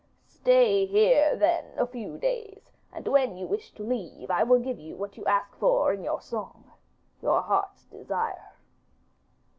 'Stay here then a few days, and when you wish to leave I will give you what you ask for in your song your heart's desire.